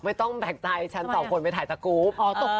ไม่ต้องแบ่งใจฉันต่อคนไปถ่ายทะกุบ